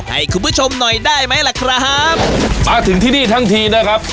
ให้คุณผู้ชมหน่อยได้ไหมล่ะครับมาถึงที่นี่ทั้งทีนะครับ